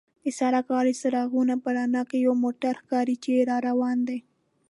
د سړک غاړې څراغونو په رڼا کې یو موټر ښکاري چې را روان دی.